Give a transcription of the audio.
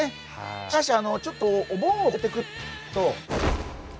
しかしちょっとおぼんをこえてくると。